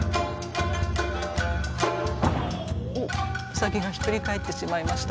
兎がひっくり返ってしまいました。